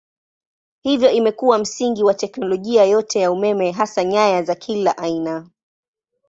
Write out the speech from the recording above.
Hivyo imekuwa msingi wa teknolojia yote ya umeme hasa nyaya za kila aina.